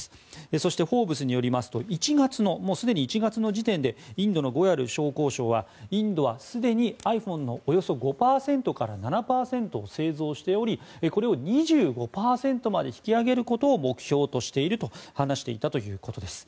そしてフォーブスによりますと１月の時点でインドのゴヤル商工相はインドは、すでにｉＰｈｏｎｅのおよそ５％から７％を製造しておりこれを２５％まで引き上げることを目標としていると話していたということです。